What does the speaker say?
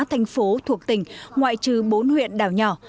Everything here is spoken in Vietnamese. thành phố thuộc tỉnh ngoại trừ bốn huyện đảo nhỏ